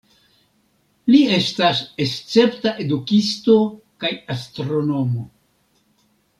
Li estas escepta edukisto kaj astronomo.